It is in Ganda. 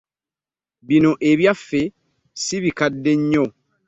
Bino ebyaffe si bikadde nnyo.